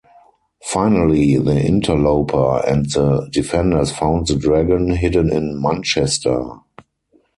Finally, the Interloper and the Defenders found the Dragon, hidden in Manchester.